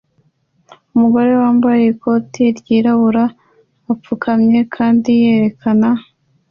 Umugore wambaye ikoti ryirabura apfukamye kandi yerekana